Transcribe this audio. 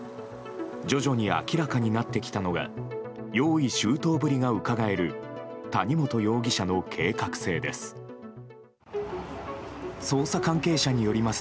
徐々に明らかになってきたのは用意周到ぶりがうかがえる谷本容疑者の計画性です。